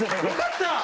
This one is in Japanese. よかった！